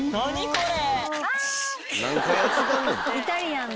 これ。